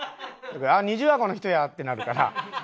あっ二重あごの人やってなるから。